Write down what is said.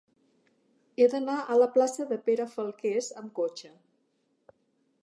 He d'anar a la plaça de Pere Falqués amb cotxe.